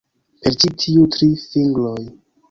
Per ĉi tiuj tri fingroj.